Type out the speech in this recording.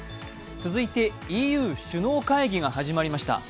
続いてＥＵ首脳会議が始まりました。